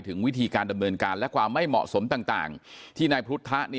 ถึงวิธีการดำเนินการและความไม่เหมาะสมต่างที่นายพุทธะ